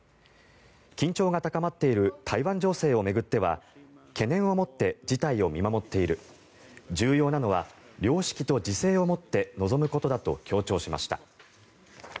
緊張が高まっている台湾情勢を巡っては懸念を持って事態を見守っている重要なのは良識と自制を持って臨むことだと強調しました。